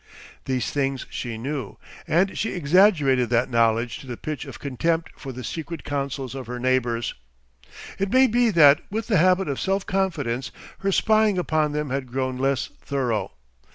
These things she knew, and she exaggerated that knowledge to the pitch of contempt for the secret counsels of her neighbours. It may be that with the habit of self confidence her spying upon them had grown less thorough.